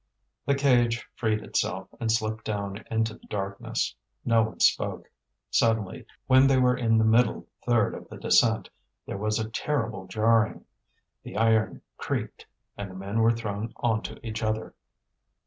The cage freed itself and slipped down into the darkness. No one spoke. Suddenly, when they were in the middle third of the descent, there was a terrible jarring. The iron creaked, and the men were thrown on to each other.